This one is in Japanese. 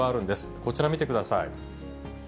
こちら見てください。